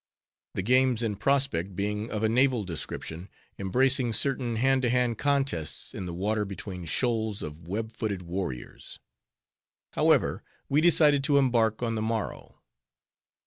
The games in prospect being of a naval description, embracing certain hand to hand contests in the water between shoals of web footed warriors. However, we decided to embark on the morrow.